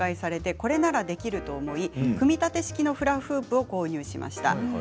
これならできると思い組み立て式のフラフープを購入しました。